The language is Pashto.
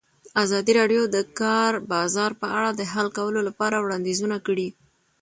ازادي راډیو د د کار بازار په اړه د حل کولو لپاره وړاندیزونه کړي.